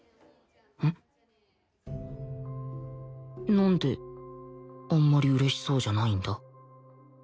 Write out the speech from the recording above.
なんであんまり嬉しそうじゃないんだ？